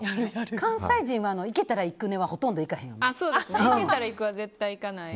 関西人は行けたら行くねはほとんど行かない。